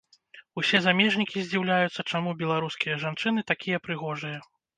Усе замежнікі здзіўляюцца, чаму беларускія жанчыны такія прыгожыя.